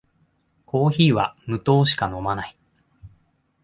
コーヒーは無糖しか飲まない